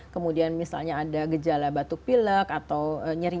kemudian misalnya ada gejala batuk pilek atau nyeri